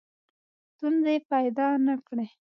ستونزې پیدا نه کړي.